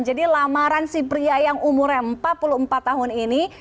jadi lamaran si pria yang umurnya empat puluh empat tahun ini